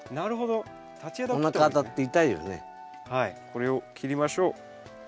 これを切りましょう。